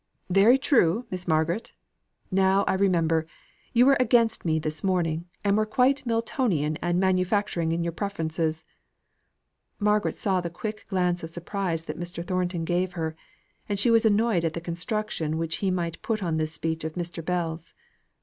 "Very true, Miss Margaret. Now I remember, you were against me this morning, and were quite Miltonian and manufacturing in your preferences." Margaret saw the quick glance of surprise that Mr. Thornton gave her, and she was annoyed at the construction which he might put on this speech of Mr. Bell's.